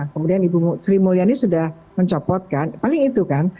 kemudian ibu sri mulyani sudah mencopotkan paling itu kan